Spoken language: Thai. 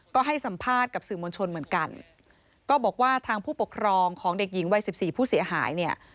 ก็ให้สัมภาษณ์กับสื่อมวลชนเหมือนกันก็บอกว่าทางผู้ปกครองของเด็กหญิงวัยสิบสี่ผู้เสียหายเนี่ย